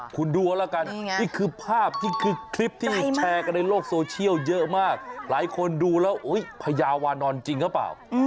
คุณดูเอาละกันนี่คือภาพที่คือคลิปที่แชร์กันในโลกโซเชียลเยอะมากหลายคนดูแล้วพญาวานอนจริงหรือเปล่า